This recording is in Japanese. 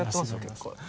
結構。